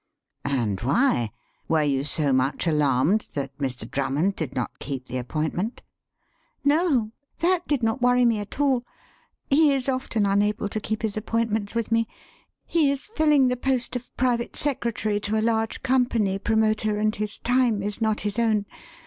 "And why? Were you so much alarmed that Mr. Drummond did not keep the appointment?" "No. That did not worry me at all. He is often unable to keep his appointments with me. He is filling the post of private secretary to a large company promoter, and his time is not his own.